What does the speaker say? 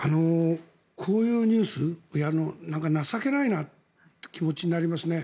こういうニュースをやるの情けないなって気持ちになりますね。